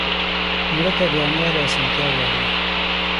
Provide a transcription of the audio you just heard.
مړه ته د اعمالو اسانتیا غواړو